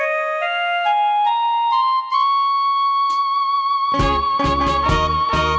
ใกล้ตาได้ยินมันล่าเสียงไกล